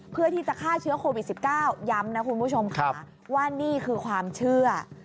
เพื่อที่จะฆ่าเชื้อโควิด๑๙ย้ำนะคุณผู้ชมค่ะว่านี่คือความเชื่อ